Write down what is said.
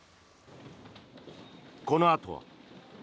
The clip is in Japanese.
このあとは。